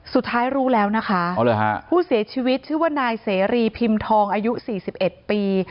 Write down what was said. สุดท้ายรู้แล้วนะคะผู้เสียชีวิตชื่อว่านายเสรีพิมพ์ทองอายุ๔๑ปี